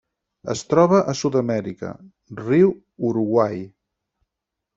Es troba a Sud-amèrica: riu Uruguai.